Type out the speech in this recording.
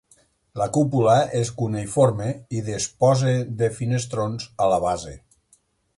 La cúpula és cuneïforme i disposa de finestrons a la base.